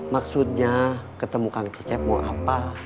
maksudnya ketemukan cecep mau apa